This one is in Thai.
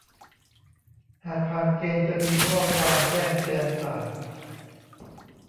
หากผ่านเกณฑ์จะมีข้อความแจ้งเตือนผ่าน